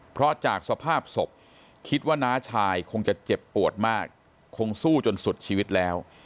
เพราะจากสภาพศพคิดว่าน้าชายคงจะเจ็บปวดมากคงสู้จนสุดชีวิตแล้ว